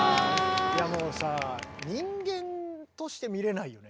いやもうさ人間として見れないよね。